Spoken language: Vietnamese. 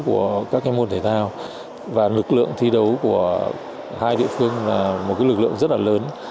của các môn thể thao và lực lượng thi đấu của hai địa phương là một lực lượng rất là lớn